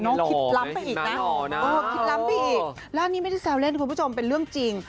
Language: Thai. คิดล้ำไปอีกนะคิดล้ำไปอีกแล้วอันนี้ไม่ได้แซวเล่นคุณผู้ชมเป็นเรื่องจริง